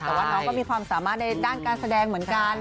แต่ว่าน้องก็มีความสามารถในด้านการแสดงเหมือนกัน